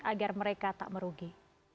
agar mereka tak merugi